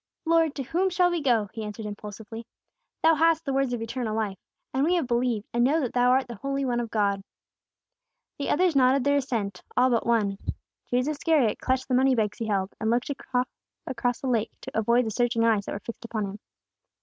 "Lord, to whom shall we go?" he answered impulsively. "Thou hast the words of eternal life. And we have believed, and know that Thou art the Holy One of God." The others nodded their assent, all but one. Judas Iscariot clutched the money bags he held, and looked off across the lake, to avoid the searching eyes that were fixed upon him.